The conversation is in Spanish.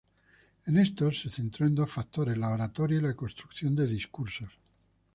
En estos, se centró en dos factores: la oratoria y la construcción de discursos.